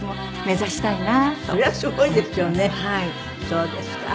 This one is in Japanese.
そうですか。